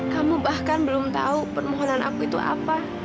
kamu bahkan belum tahu permohonan aku itu apa